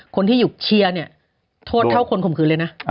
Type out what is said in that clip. คนที่อยู่เชียร์เนี่ยโทษเท่าคนข่มขืนเลยนะ